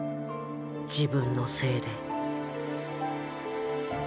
自分のせいで。